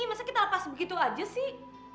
maksudnya kita lepas begitu aja sih